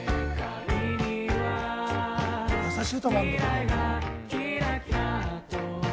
やさしい歌もあるんだ。